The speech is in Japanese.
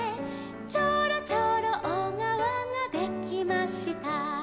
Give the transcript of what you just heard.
「ちょろちょろおがわができました」